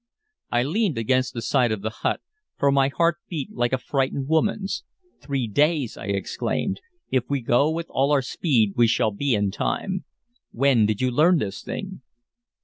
I leaned against the side of the hut, for my heart beat like a frightened woman's. "Three days!" I exclaimed. "If we go with all our speed we shall be in time. When did you learn this thing?"